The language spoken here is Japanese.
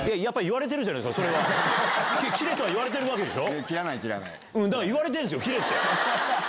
「切れ」とは言われてるわけでしょ。